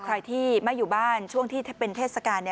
ใครที่ไม่อยู่บ้านช่วงที่เป็นเทศกาล